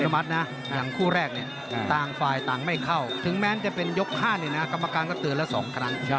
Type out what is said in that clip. มัดนะอย่างคู่แรกเนี่ยต่างฝ่ายต่างไม่เข้าถึงแม้จะเป็นยก๕เนี่ยนะกรรมการก็เตือนแล้ว๒ครั้ง